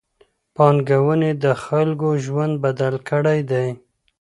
پانګونې د خلګو ژوند بدل کړی دی.